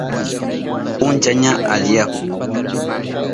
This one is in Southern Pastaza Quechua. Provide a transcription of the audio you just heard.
Puncha ña aliyahun.